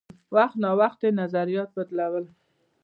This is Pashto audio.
وخت نا وخت یې نظریات بدلول.